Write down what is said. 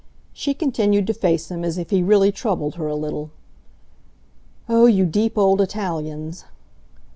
She continued to face him as if he really troubled her a little. "Oh, you deep old Italians!"